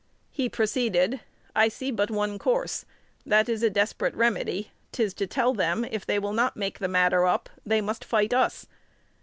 He proceeded: "I see but one course, that is a desperate remedy:'tis to tell them, if they will not make the matter up, they must fight us."